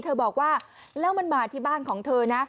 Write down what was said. บอกว่าแล้วมันมาที่บ้านของเธอนะ